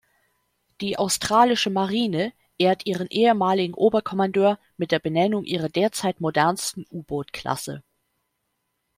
Die australische Marine ehrt ihren ehemaligen Oberkommandeur mit der Benennung ihrer derzeit modernsten U-Boot-Klasse.